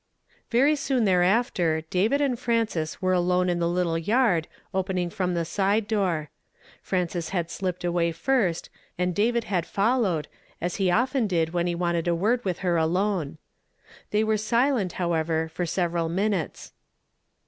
Very soon thereafter David and Frances were alone in the little yard opening from the side door. Frances had slipped away first, and David had followed, as he often did when he wanted a word with her alone. They were silent, however, for several minutes.